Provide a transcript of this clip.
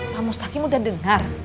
pak mustaki sudah dengar